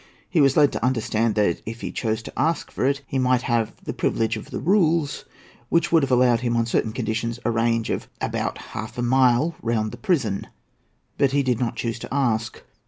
He was led to understand that, if he chose to ask for it, he might have the privilege of "the rules," which would have allowed him, on certain conditions, a range of about half a mile round the prison. But he did not choose to ask.